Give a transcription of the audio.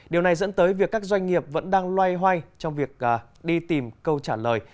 điều này dẫn tới việc các doanh nghiệp vẫn đang loay hoay trong việc đi tìm câu trả lời